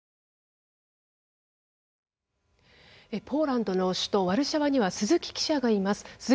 ポーランドの首都ワルシャワには鈴木記者がいます。